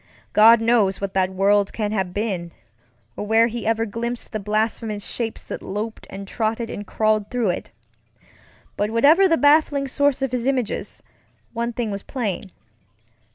God knows what that world can have been, or where he ever glimpsed the blasphemous shapes that loped and trotted and crawled through it; but whatever the baffling source of his images, one thing was plain.